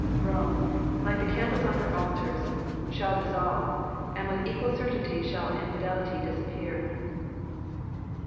Rome, like the candles on her altars, shall dissolve, and with equal certainty shall infidelity disappear.